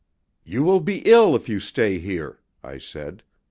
"You will be ill if you stay here," I said.